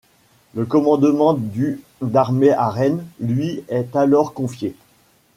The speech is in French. Le commandement du d'armée à Rennes lui est alors confié.